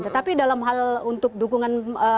tetapi dalam hal untuk dukungan